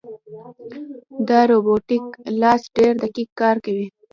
دا روبوټیک لاس ډېر دقیق کار کوي.